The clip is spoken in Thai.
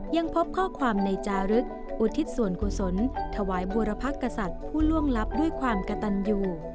ยังพบข้อความในจารึกอุทิศส่วนกุศลถวายบูรพกษัตริย์ผู้ล่วงลับด้วยความกระตันอยู่